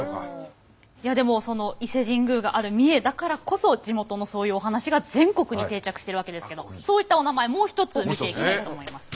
いやでもその伊勢神宮がある三重だからこそ地元のそういうお話が全国に定着しているわけですけどもそういったお名前もう一つ見ていきたいと思います。